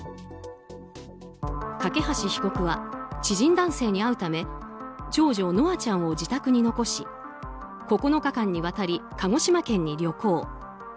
梯被告は知人男性に会うため長女・稀華ちゃんを自宅に残し９日間にわたり鹿児島県に旅行。